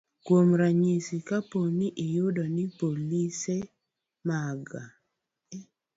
Kuom ranyisi, kapo ni oyud ni polise mag